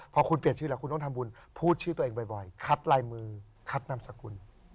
พอคุณเปลี่ยนชื่อแล้วคุณต้องทำบุญพูดชื่อตัวเองบ่อยคัดลายมือคัดนามสกุล